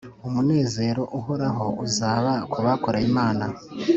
Umunezero uhoraho uzaba ku bakoreye Imana